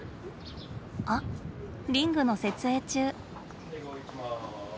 あっリングの設営中。